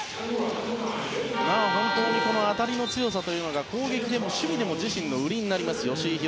本当に当たりの強さが攻撃でも守備でも自身の売りになります吉井裕